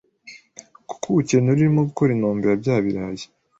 kuko uwukenera urimo gukora inombe ya bya birayi